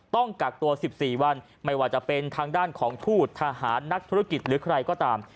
ต้องกักตัว๑๔วันไม่ว่าจะเป็นทางด้านของทูตทหารนักธุรกิจหรือใครก็ตาม